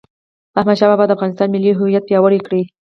احمدشاه بابا د افغانستان ملي هویت پیاوړی کړ..